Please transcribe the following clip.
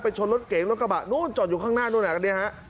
ไปชนรถเก๋งรถกระบะโน้นจอดอยู่ข้างหน้าโน้นนี่ฮะ